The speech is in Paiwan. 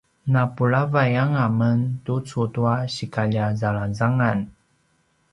napulavay anga men tucu tua sikalja zalangzangan